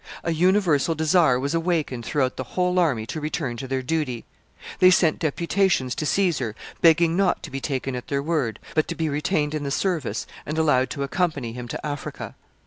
A universal desire was awakened throughout the whole army to return to their duty. They sent deputations to Caesar, begging not to be taken at their word, but to be retained in the service, and allowed to accompany him to Africa.